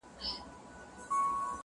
نن دي سترګي سمي دمي ميکدې دی,